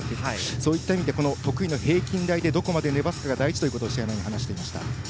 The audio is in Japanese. そういった意味で得意の平均台でどこまで伸ばすかが大事と試合前に話していました。